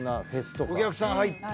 お客さん入って。